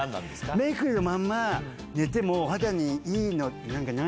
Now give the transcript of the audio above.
メークまんま寝てもお肌にいいのってなんかない？